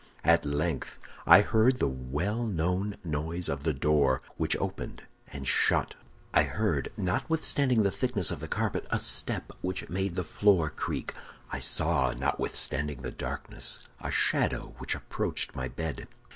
"At length I heard the well known noise of the door, which opened and shut; I heard, notwithstanding the thickness of the carpet, a step which made the floor creak; I saw, notwithstanding the darkness, a shadow which approached my bed."